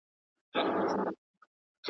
قادر